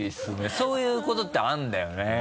そういうことってあるんだよね。